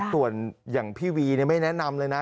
ส่วนอย่างพี่วีไม่แนะนำเลยนะ